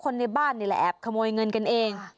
ในบ้านนี่แหละแอบขโมยเงินกันเอง